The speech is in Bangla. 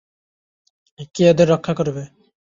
কে ওদের রক্ষা করবে?